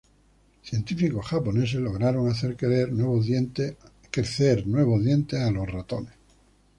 Científicos japoneses lograron hacer crecer nuevos dientes a ratones.